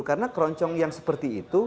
karena keroncong yang seperti itu